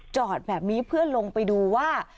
จอดแบบนี้เพื่อลงไปดูว่า